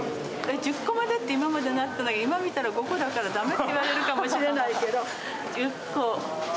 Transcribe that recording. １０個までって、今までなってたのに、今見たら５個だからだめって言われるかもしれないけど。